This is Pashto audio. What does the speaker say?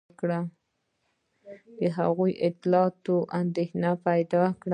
دغو اطلاعاتو اندېښنه پیدا کړه.